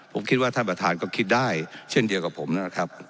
ผมคิดว่าท่านประธานก็คิดได้เช่นเดียวกับผมนะครับ